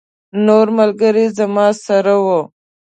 نور ملګري زما سره وو.